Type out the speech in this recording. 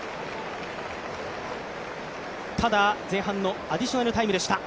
ただ、前半のアディショナルタイムでした。